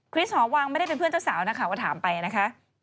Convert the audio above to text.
หอวังไม่ได้เป็นเพื่อนเจ้าสาวนะคะก็ถามไปนะคะ